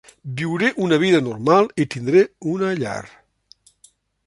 Viuré una vida normal i tindré una llar.